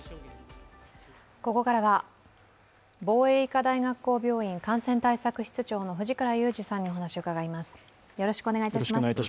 ここからは防衛医科大学校病院感染対策室長の藤倉雄二さんにお話を伺います。